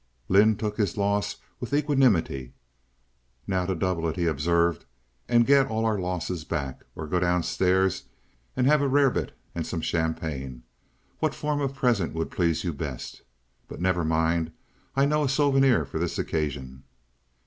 Lynde took his loss with equanimity. "Now to double it," he observed, "and get all our losses back, or go downstairs and have a rarebit and some champagne. What form of a present would please you best?—but never mind. I know a souvenir for this occasion."